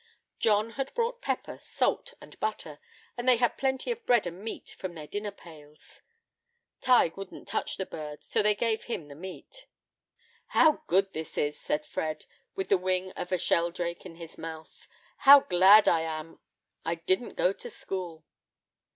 John had brought pepper, salt, and butter, and they had plenty of bread and meat in their dinner pails. Tige wouldn't touch the bird; so they gave him the meat. "How good this is!" said Fred, with the wing of a sheldrake in his mouth; "how glad I am I didn't go to school!"